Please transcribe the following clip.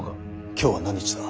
今日は何日だ。